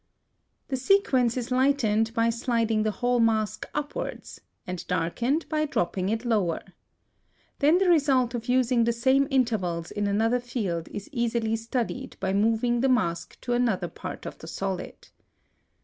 (168) The sequence is lightened by sliding the whole mask upward, and darkened by dropping it lower. Then the result of using the same intervals in another field is easily studied by moving the mask to another part of the solid.